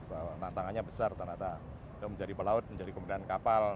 bahwa tantangannya besar ternyata menjadi pelaut menjadi kemudian kapal